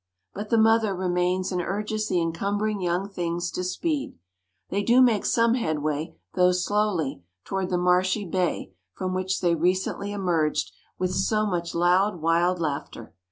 But the mother remains and urges the encumbering young things to speed. They do make some headway, though slowly, toward the marshy bay from which they recently emerged with so much loud, wild laughter.